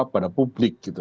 kepada publik gitu